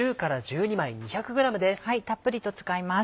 たっぷりと使います。